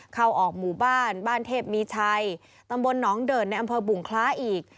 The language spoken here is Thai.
เข้าออกหมู่บ้านบ้านเทพมีชัยตำบลหนองเดินในอำเภอบุงคล้าอีก